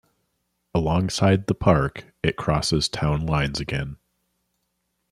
Alongside the park, it crosses town lines again.